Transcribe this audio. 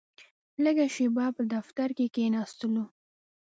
لږه شېبه په دفتر کې کښېناستلو.